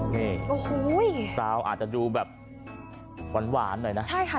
โห้ยประหลาดสาวอาจจะดูแบบหวานหน่อยน่ะใช่ค่ะ